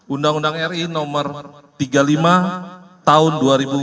undang undang ri nomor tiga puluh lima tahun dua ribu empat belas